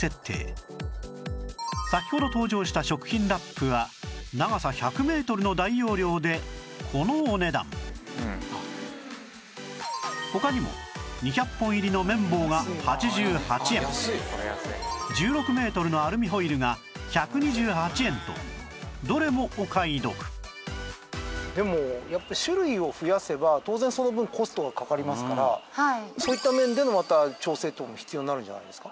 先ほど登場した食品ラップは長さ１００メートルの大容量でこのお値段他にも２００本入りの綿棒が８８円１６メートルのアルミホイルが１２８円とどれもお買い得でもやっぱり種類を増やせば当然その分コストがかかりますからそういった面でもまた調整等も必要になるんじゃないですか？